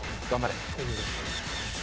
頑張れ。